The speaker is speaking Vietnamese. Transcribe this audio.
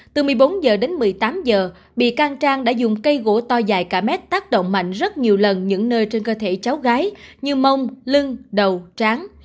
từ một mươi bốn h đến một mươi tám giờ bị can trang đã dùng cây gỗ to dài cả mét tác động mạnh rất nhiều lần những nơi trên cơ thể cháu gái như mông lưng đầu tráng